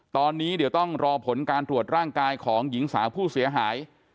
ตอนนี้เดี๋ยวต้องรอผลการตรวจร่างกายของหญิงสาวผู้เสียหาย